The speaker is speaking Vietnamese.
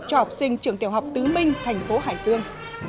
cho học sinh trường tiểu học tứ minh thành phố hải dương